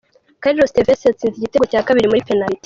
Carlos Tevez yatsinze igitego cya kabiri kuri penaliti.